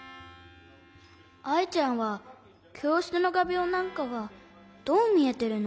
アイちゃんはきょうしつのがびょうなんかはどうみえてるの？